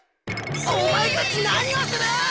オマエたち何をする！